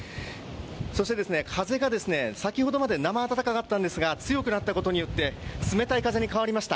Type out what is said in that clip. そして風が先ほどまで生暖かかったんですが強くなったことによって冷たい風に変わりました。